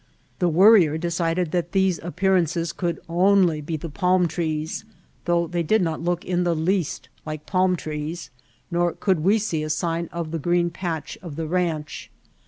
The Wor rier decided that these appearances could only be the palm trees, though they did not look in the least like palm trees nor could we see a sign of the green patch of the ranch.